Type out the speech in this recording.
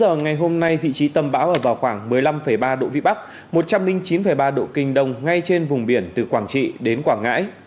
hồi một mươi chín h ngày hôm nay vị trí tâm bão ở vào khoảng một mươi năm ba độ vĩ bắc một trăm linh chín ba độ kinh đông ngay trên vùng biển từ quảng trị đến quảng ngãi